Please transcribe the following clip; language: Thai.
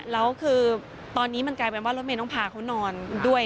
แล้วคือตอนนี้มันกลายเป็นว่ารถเมย์ต้องพาเขานอนด้วย